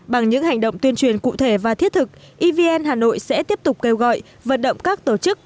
bằng những hành động tuyên truyền cụ thể và thiết thực evn hà nội sẽ tiếp tục kêu gọi vận động các tổ chức